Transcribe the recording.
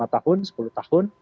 lima tahun sepuluh tahun